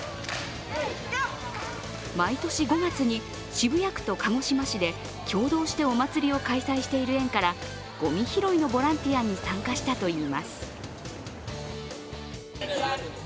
毎年５月に、渋谷区と鹿児島市で共同してお祭りを開催している縁からごみ拾いのボランティアに参加したといいます。